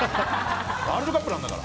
ワールドカップなんだから。